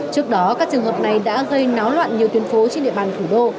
trước đó các trường hợp này đã gây náo loạn nhiều tuyến phố trên địa bàn thủ đô